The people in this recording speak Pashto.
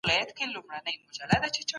که مبارزه نه وي واک نسي ترلاسه کېدای.